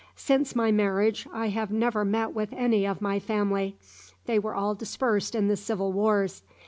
Since my marriage I have never met with any of my family. They were all dispersed in the Civil Wars.